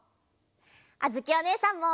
あづきおねえさんも。